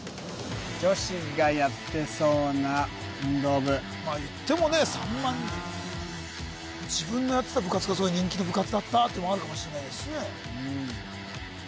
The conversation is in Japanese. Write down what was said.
女子がやってそうな運動部まあ言ってもね３万人自分のやってた部活が人気の部活だったってのもあるかもしれないですしね